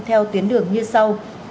theo tuyến đường như sau